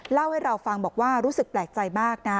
เล่าให้เราฟังบอกว่ารู้สึกแปลกใจมากนะ